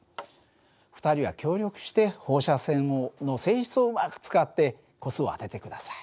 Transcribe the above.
２人は協力して放射線の性質をうまく使って個数を当てて下さい。